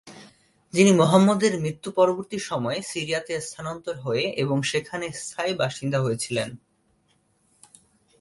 যিনি মুহাম্মাদ এর মৃত্যু পরবর্তী সময়ে সিরিয়াতে স্থানান্তর হয়ে এবং সেখানে স্থায়ী বাসিন্দা হয়েছিলেন।